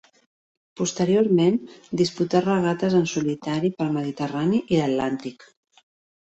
Posteriorment, disputà regates en solitari pel Mediterrani i l'Atlàntic.